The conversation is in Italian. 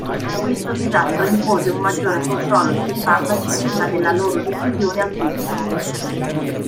Questo disastro impose un maggiore controllo sui farmaci prima della loro diffusione al pubblico.